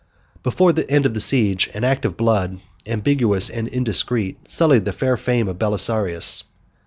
Before the end of the siege, an act of blood, ambiguous and indiscreet, sullied the fair fame of Belisarius.